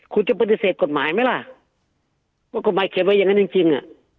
คุณจะปฏิเสธกฎหมายไหมล่ะว่ากฎหมายเขียนไว้อย่างนั้นจริงจริงอ่ะ